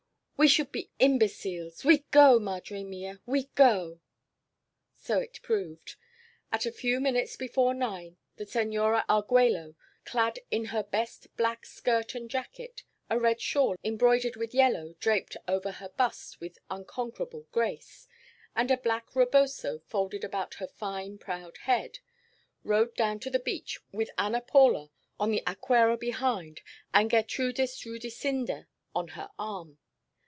We should be imbeciles. We go, madre mia, we go!" So it proved. At a few minutes before nine the Senora Arguello, clad in her best black skirt and jacket, a red shawl embroidered with yellow draped over her bust with unconquerable grace, and a black reboso folded about her fine proud head, rode down to the beach with Ana Paula on the aquera behind and Gertrudis Rudisinda on her arm.